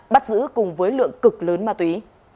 bắt giữ cùng với lượng cực lớn ma túy